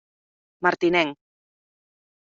Martinenc.